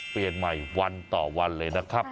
เปลี่ยนใหม่วันต่อวันเลยนะครับ